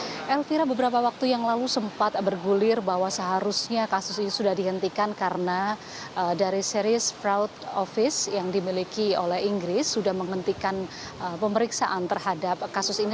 elvira beberapa waktu yang lalu sempat bergulir bahwa seharusnya kasus ini sudah dihentikan karena dari series fraud office yang dimiliki oleh inggris sudah menghentikan pemeriksaan terhadap kasus ini